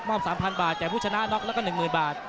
๓๐๐บาทแก่ผู้ชนะน็อกแล้วก็๑๐๐๐บาท